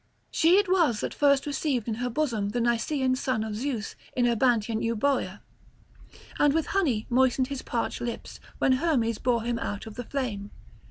She it was that first received in her bosom the Nysean son of Zeus in Abantian Euboea, and with honey moistened his parched lips when Hermes bore him out of the flame.